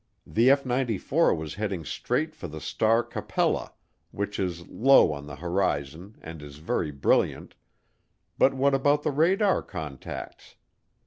The F 94 was heading straight for the star Capella, which is low on the horizon and is very brilliant, but what about the radar contacts?